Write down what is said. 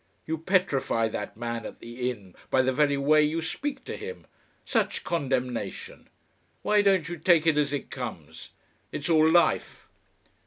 You petrify that man at the inn by the very way you speak to him, such condemnation! Why don't you take it as it comes? It's all life."